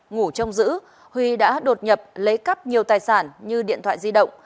ngủ trông giữ huy đã đột nhập lấy cắp nhiều tài sản như điện thoại di động